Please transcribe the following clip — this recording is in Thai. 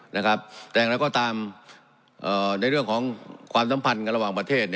แต่อย่างไรก็ตามในเรื่องของความสัมพันธ์กันระหว่างประเทศ